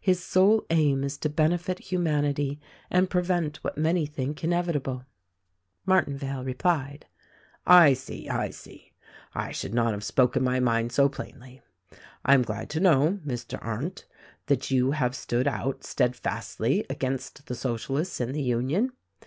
His sole aim is to benefit humanity and pre vent what many think inevitable." Martinvale replied: "I see! I see! I should not have spoken my mind so plainly. I am glad to know, Mr. Arndt, that you have stood out steadfastly against the Socialists in the Union.